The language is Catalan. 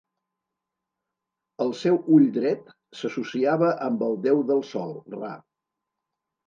El seu ull dret s'associava amb el déu del sol, Ra.